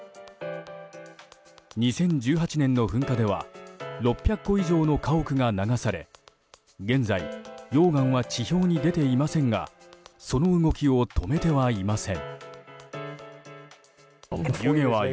２０１８年の噴火では６００戸以上の家屋が流され現在溶岩は地表に出ていませんがその動きを止めてはいません。